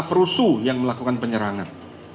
perusuh yang melakukan penyerangan